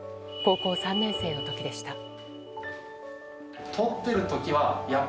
高校３年生の時でした。